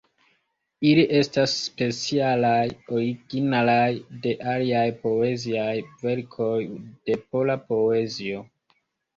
Ili estas specialaj, originalaj de aliaj poeziaj verkoj de pola poezio.